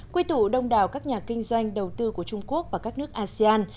quy tụ đông đào các nhà kinh doanh đầu tư của trung quốc và các nước asean